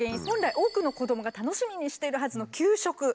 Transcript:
本来多くの子どもが楽しみにしているはずの給食。